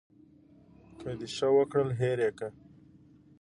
که د ښه وکړل هېر یې کړه .